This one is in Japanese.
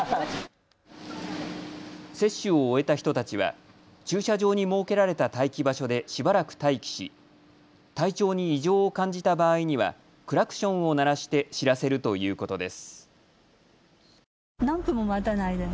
接種を終えた人たちは駐車場に設けられた待機場所でしばらく待機し、体調に異常を感じた場合にはクラクションを鳴らして知らせるということです。